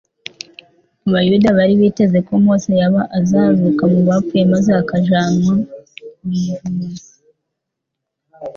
Abayuda bari biteze ko Mose yaba azazuka mu bapfuye maze akajyanwa mu ijuru.